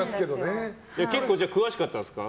結構詳しかったんですか？